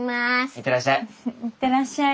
行ってらっしゃい。